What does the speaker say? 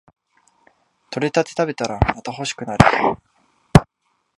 採れたて食べたらまた欲しくなる